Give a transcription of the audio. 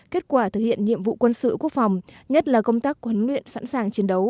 kết quả thực hiện nhiệm vụ quân sự quốc phòng nhất là công tác huấn luyện sẵn sàng chiến đấu